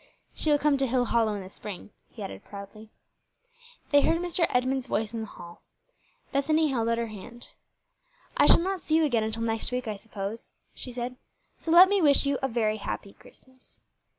"She will come to Hillhollow in the spring," he added proudly. They heard Mr. Edmunds's voice in the hall. Bethany held out her hand. "I shall not see you again until next week, I suppose," she said, "so let me wish you a very happy Christmas."